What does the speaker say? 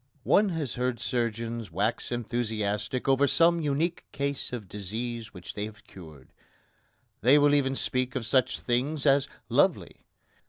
One has heard surgeons wax enthusiastic over some unique case of disease which they have cured. They will even speak of such things as "lovely."